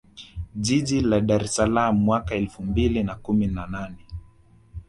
Jiji la Dar es Salaam mwaka elfu mbili na kumi na nane